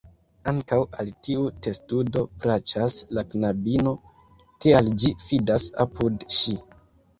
Ankaŭ al tiu testudo plaĉas la knabino, tial ĝi sidas apud ŝi.